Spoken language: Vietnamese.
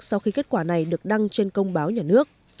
sau khi kết quả này được đăng trên công báo nhà nước